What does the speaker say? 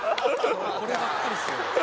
こればっかりですよ。